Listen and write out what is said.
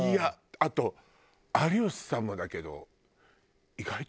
あと有吉さんもだけど。